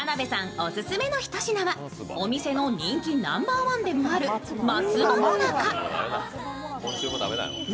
オススメの一品は、お店の人気ナンバーワンでもある松葉最中。